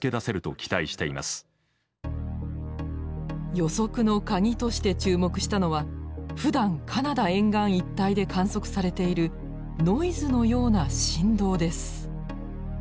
予測のカギとして注目したのはふだんカナダ沿岸一帯で観測されているノイズのような振動です。